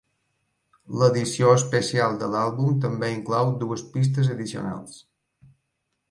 L'edició especial de l'àlbum també inclou dues pistes addicionals.